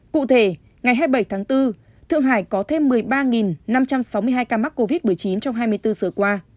cụ thể ngày hai mươi bảy tháng bốn thượng hải có thêm một mươi ba năm trăm sáu mươi hai ca mắc covid một mươi chín trong hai mươi bốn giờ qua